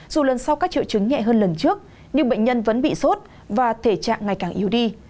dù lần sau các triệu chứng nhẹ hơn lần trước nhưng bệnh nhân vẫn bị sốt và thể trạng ngày càng yếu đi